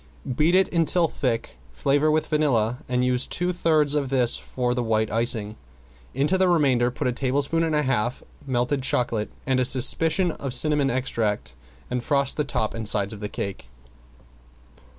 Beat it until thick, flavor with vanilla, and use two thirds of this for the white icing. Into the remainder put a tablespoon and a half melted chocolate and a suspicion of cinnamon extract, and frost the top and sides of the cake.